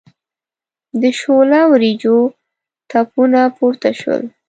د شوله وریجو تپونه پورته شول.